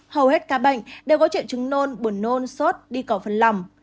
hầu hết các bệnh đều có triệu chứng nôn buồn nôn sốt đi cầu phần lòng